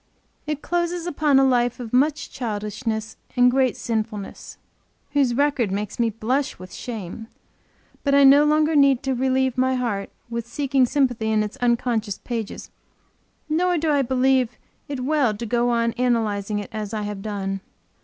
It closes upon a life of much childishness and great sinfulness, whose record makes me blush with shame but I no longer need to relieve my heart with seeking sympathy in its unconscious pages nor do I believe it well to go on analyzing it as I have done.